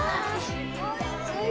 おいしい！